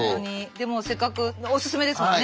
でもせっかくおすすめですもんね。